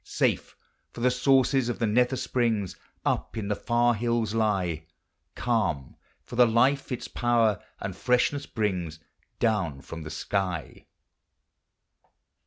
Safe — for the sources of the nether springs Up in the far hills lie; Calm — for the life its power and freshness brings Down from the sky.